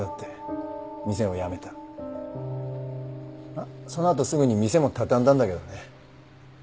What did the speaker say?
まあそのあとすぐに店も畳んだんだけどね。